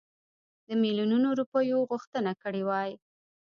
د میلیونونو روپیو غوښتنه کړې وای.